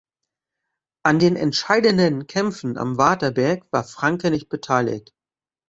An den entscheidenden Kämpfen am Waterberg war Franke nicht beteiligt.